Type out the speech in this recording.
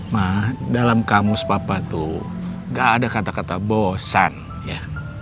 mah dalam kamus papa tuh gak ada kata kata bosan ya